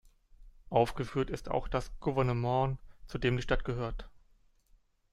Aufgeführt ist auch das Gouvernement, zu dem die Stadt gehört.